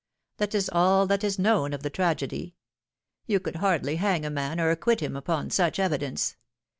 That is all that is known of the tragedy. You could hardly hang a man or acquit him upon such evidence.